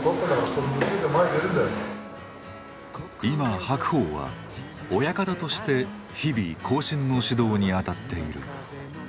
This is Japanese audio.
今白鵬は親方として日々後進の指導にあたっている。